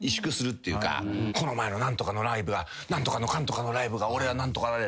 「この前の何とかのライブが何とかのかんとかのライブが俺は何とかで」